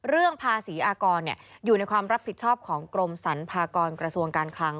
เรื่องภาษีอากรอยู่ในความรับผิดชอบของกรมสรรพากรกระทรวงการคลัง